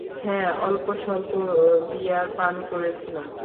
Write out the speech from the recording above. হ্যাঁ, অল্পস্বল্প বিয়ার পান করেছিলাম।